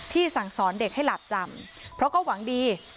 สั่งสอนเด็กให้หลาบจำเพราะก็หวังดี